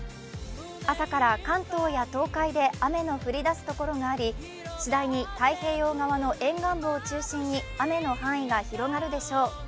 朝から関東や東海で雨の降りだすところがあり次第に太平洋側の沿岸部を中心に雨の範囲が広がるでしょう。